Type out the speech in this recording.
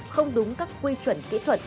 không đúng các quy chuẩn kỹ thuật